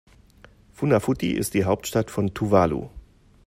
Funafuti ist die Hauptstadt von Tuvalu.